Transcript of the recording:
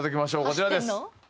こちらです。